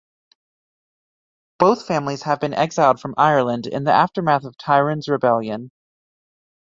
Both families had been exiled from Ireland in the aftermath of Tyrone's Rebellion.